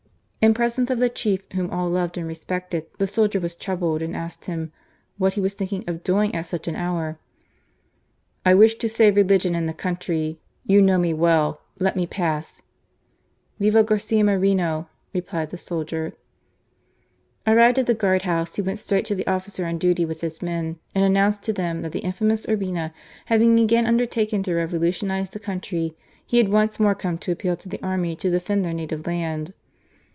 '*« »i«^ In presence of the chief whom all loved *»a^ rei^eqted, the Soldier was troubled, and asked ^hiii ' what he was thinking c^ doing at sucli an hour ? AV, '* I wi^ to save religion and the country. ':1(qA know me well ; let me pa^/' .'•* F*w Garda Moreno !■* replied the soldier. ; i ' Arrived at the guard house, he went straight to tli^ office on duty with his men, and announced to th^m that the in^mous Urbina having again un^er^ ta^ken to revolutioni;^ the country, he had once moi«e come to appeal to the army to defend their native land.